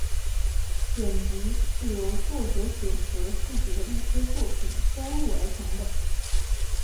选集是由作者选择自己的一些作品收录而成的。